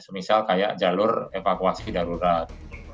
misal kayak jalur evakuasi darurat